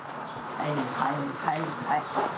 はいはいはいはい。